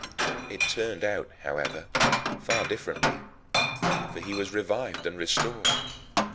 It turned out, however, far differently, for he was revived and restored.